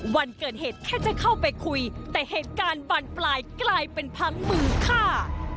วันเกิดเหตุแค่จะเข้าไปคุยแต่เหตุการณ์บานปลายกลายเป็นพังมือฆ่า